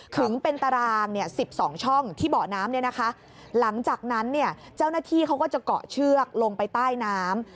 ขึงเป็นตาราง๑๒ช่องที่เบาะน้ำหลังจากนั้นเจ้าหน้าที่เขาก็จะเกาะเชือกลงไปใต้น้ำ